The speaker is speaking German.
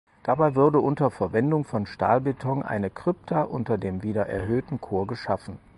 Dabei wurde unter Verwendung von Stahlbeton eine Krypta unter dem wieder erhöhten Chor geschaffen.